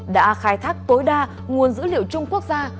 đã khai thác tối đa nguồn dữ liệu chung quốc gia